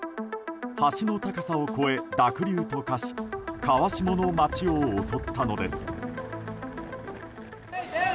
橋の高さを越え、濁流と化し川下の街を襲ったのです。